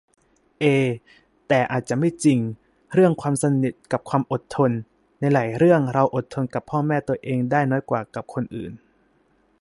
เอ แต่อาจจะไม่จริง เรื่องความสนิทกับความอดทน ในหลายเรื่องเราอดทนกับพ่อแม่ตัวเองได้น้อยกว่ากับคนอื่น